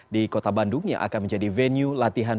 di kota bandung yang akan menjadi venue latihan